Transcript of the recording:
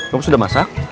kamu sudah masak